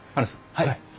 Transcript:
はい。